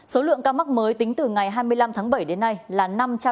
số lượng ca mắc mới tính từ ngày hai mươi năm tháng bảy đến nay là năm trăm linh ca